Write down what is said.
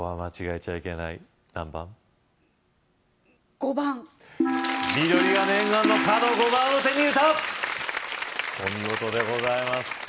５番緑が念願の角５番を手に入れたお見事でございます